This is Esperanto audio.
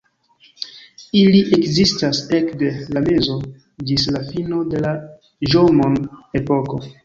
Ili ekzistas ekde la mezo ĝis la fino de la Ĵomon-epoko.